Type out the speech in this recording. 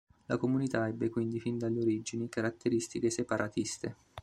La comunità ebbe quindi fin dalle origini caratteristiche separatiste.